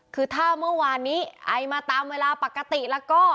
คือถ้าเมื่อวานนี้ไอมาตามเวลาปกติแล้วก็